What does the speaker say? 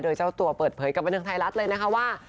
โดยเจ้าตัวเปิดเผยกับบันเทิงไทยรัฐเลยนะคะว่า